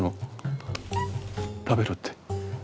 食べろって？